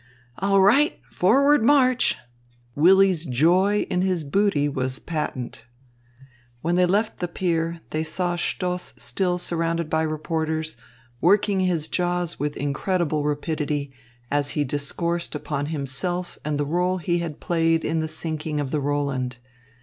"All right! Forward, march!" Willy's joy in his booty was patent. When they left the pier, they saw Stoss still surrounded by reporters, working his jaws with incredible rapidity, as he discoursed upon himself and the role he had played in the sinking of the Roland.